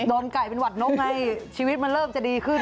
โดนไก่เป็นหวัดนกไงชีวิตมันเริ่มจะดีขึ้น